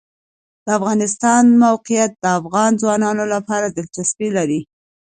د افغانستان د موقعیت د افغان ځوانانو لپاره دلچسپي لري.